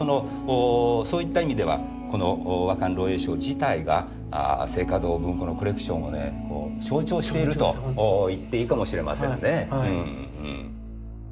そういった意味ではこの「倭漢朗詠抄」自体が静嘉堂文庫のコレクションをね象徴しているといっていいかもしれませんね。